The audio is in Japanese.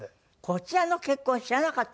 こちらの結婚を知らなかった？